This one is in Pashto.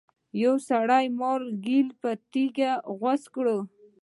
یو سړي د مار لکۍ په تبر غوڅه کړه.